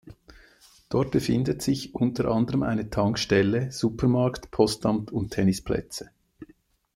Dort befindet sich unter anderem eine Tankstelle, Supermarkt, Postamt und Tennisplätze.